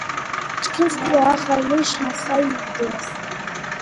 ჩქიმ სკუა ახალ მაშნას იიდენს